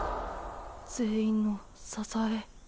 全員の支え。